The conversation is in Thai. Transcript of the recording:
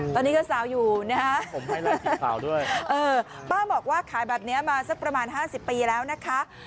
ตอนนี้เจ้าสาวอยู่นะฮะสาวด้วยเออป้าบอกว่าขายแบบนี้มาสักประมาณ๕๐ปีแล้วนะคะ